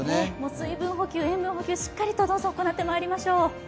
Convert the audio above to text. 水分補給、塩分補給、しっかり行ってまいりましょう。